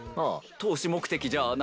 投資目的じゃあなく？